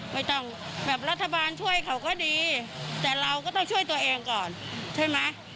ไม่ต้องแบบรัฐบาลช่วยเขาก็ดีแต่เราก็ต้องช่วยตัวเองก่อนใช่ไหม